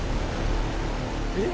えっ？